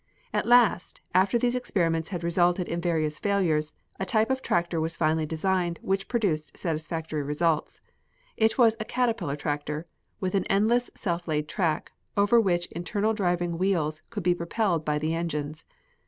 At last, after these experiments had resulted in various failures, a type of tractor was finally designed which produced satisfactory results. It was a caterpillar tractor, with an endless self laid track, over which internal driving wheels could be propelled by the engines.